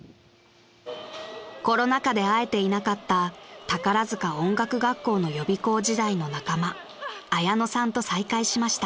［コロナ禍で会えていなかった宝塚音楽学校の予備校時代の仲間アヤノさんと再会しました］